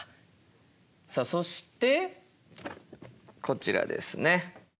さあそしてこちらですね。